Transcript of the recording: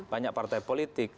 banyak partai politik